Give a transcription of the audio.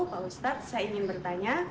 pak ustadz saya ingin bertanya